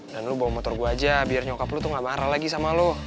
dan lu bawa motor gue aja biar nyokap lu tuh ga marah lagi sama lu